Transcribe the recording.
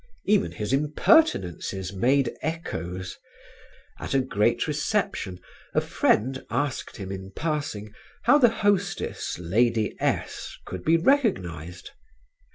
Even his impertinences made echoes. At a great reception, a friend asked him in passing, how the hostess, Lady S , could be recognised.